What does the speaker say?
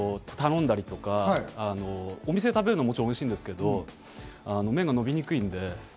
頼んだりとかお店で食べるのももちろんおいしいんですけど、麺が伸びにくいので。